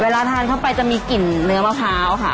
เวลาทานเข้าไปจะมีกลิ่นเนื้อมะพร้าวค่ะ